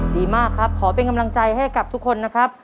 ดีมากครับขอเป็นกำลังใจให้กับทุกคนนะครับ